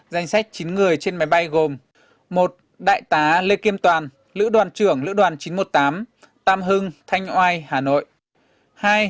danh sách chín người trên máy bay gồm một đại tá lê kim toàn lữ đoàn trưởng lữ đoàn chín trăm một mươi tám tam hưng thanh oai hà nội